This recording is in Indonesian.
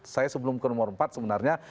saya sebelum ke nomor empat sebenarnya